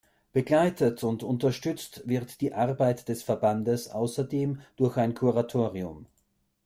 Begleitet und unterstützt wird die Arbeit des Verbandes außerdem durch ein Kuratorium.